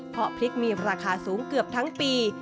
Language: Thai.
เพราะพริกมีราคาสูงเกือบทั้งปี